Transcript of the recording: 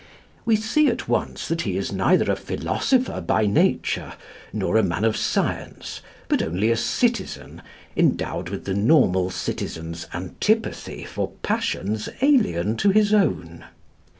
We see at once that he is neither a philosopher by nature, nor a man of science, but only a citizen, endowed with the normal citizen's antipathy for passions alien to his own.